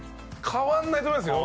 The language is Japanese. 変わんないと思いますよ